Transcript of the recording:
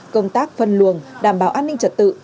công tác phân luồng đảm bảo an ninh trật tự